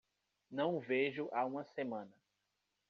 Não o vejo há uma semana.